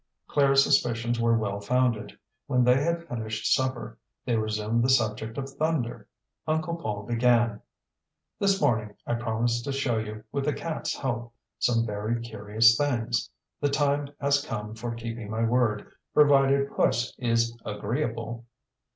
ClaireŌĆÖs suspicions were well founded. When they had finished supper they resumed the subject of thunder. Uncle Paul began: ŌĆ£This morning I promised to show you, with the catŌĆÖs help, some very curious things. The time has come for keeping my word, provided Puss is agreeable.